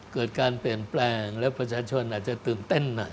เกิดการเปลี่ยนแปลงแล้วประชาชนอาจจะตื่นเต้นหน่อย